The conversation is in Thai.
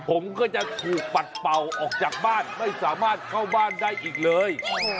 ผมก็จะถูกปัดเป่าออกจากบ้านไม่สามารถเข้าบ้านได้อีกเลย